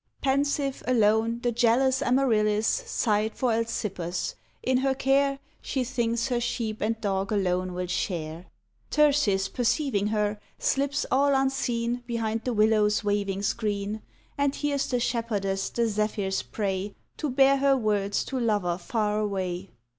Pensive, alone, the jealous Amaryllis Sighed for Alcippus in her care, She thinks her sheep and dog alone will share. Tircis, perceiving her, slips all unseen Behind the willows' waving screen, And hears the shepherdess the zephyrs pray, To bear her words to lover far away.